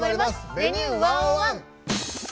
「Ｖｅｎｕｅ１０１」。